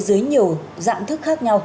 dưới nhiều dạng thức khác nhau